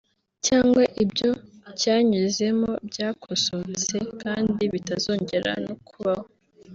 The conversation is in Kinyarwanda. cyangwa ibyo cyanyuzemo byakosotse kandi bitazongera no kubaho”